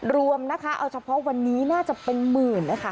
รวมนะคะเอาเฉพาะวันนี้น่าจะเป็นหมื่นนะคะ